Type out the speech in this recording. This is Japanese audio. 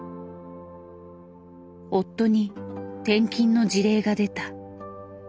夫に転勤の辞令が出た。